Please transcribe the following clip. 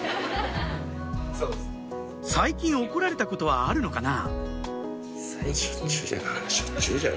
最近怒られたことはあるのかな？